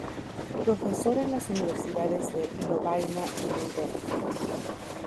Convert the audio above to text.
Profesor en las universidades de Lovaina y Leiden.